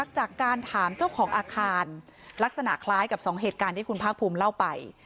จากการถามเจ้าของอาคารลักษณะคล้ายกับสองเหตุการณ์ที่คุณภาคภูมิเล่าไป